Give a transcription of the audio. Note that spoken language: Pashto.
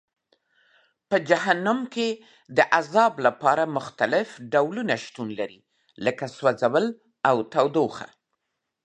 په جهنم کې د عذاب لپاره مختلف ډولونه شتون لري لکه سوځول او تودوخه.